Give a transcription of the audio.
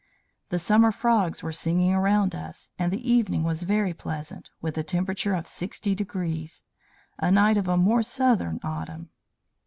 The summer frogs were singing around us, and the evening was very pleasant, with a temperature of 60 degrees a night of a more southern autumn.